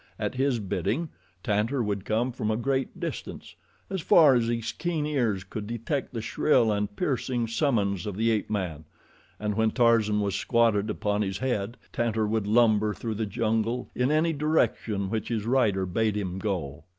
At his bidding, Tantor would come from a great distance as far as his keen ears could detect the shrill and piercing summons of the ape man and when Tarzan was squatted upon his head, Tantor would lumber through the jungle in any direction which his rider bade him go.